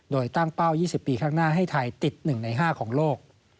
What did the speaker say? โดยตั้งเป้า๒๐ปีข้างหน้าให้ไทยติด๑ใน๕ของโลก